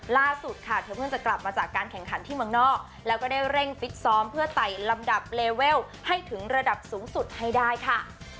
ล่าสุดค่ะเธอเพิ่งจะกลับมาจากการแข่งขันที่เมืองนอกแล้วก็ได้เร่งฟิตซ้อมเพื่อไต่ลำดับเลเวลให้ถึงระดับสูงสุดให้ได้ค่ะ